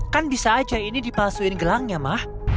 kan bisa aja ini dipalsuin gelangnya mah